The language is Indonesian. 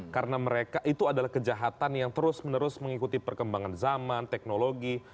karena mereka itu adalah kejahatan yang terus menerus mengikuti perkembangan zaman teknologi